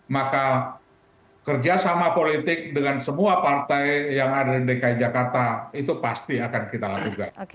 maka kerjasama politik dengan semua partai yang ada di dki jakarta itu pasti akan kita lakukan